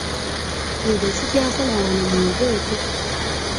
Nze ssikyakola wano munveeko.